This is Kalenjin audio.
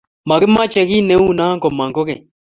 mokimoche kiit neuu noee komong kokeny